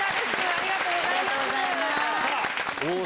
ありがとうございます。